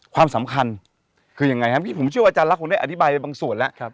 ความสำคัญคือยังไงฮะผมเชื่อว่าอาจารย์ลักษณ์คงได้อธิบายไปบางส่วนแล้วครับ